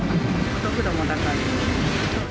お得度も高い。